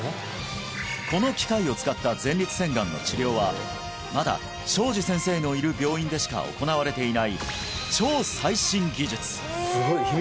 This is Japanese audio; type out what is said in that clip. この機械を使った前立腺がんの治療はまだ小路先生のいる病院でしか行われていない